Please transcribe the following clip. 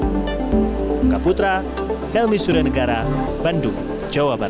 muka putra helmy suryanegara bandung jawa barat